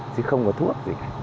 chứ không có thuốc gì